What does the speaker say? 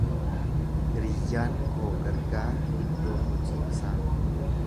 Hiriyyaan koo gargaara iddoo hojii isaa.